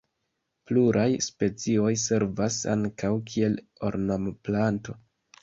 Pluraj specioj servas ankaŭ kiel ornamplanto.